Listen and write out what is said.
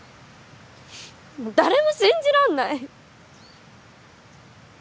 誰も信じられない！